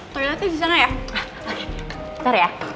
toiletnya disana ya